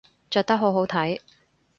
着得好好睇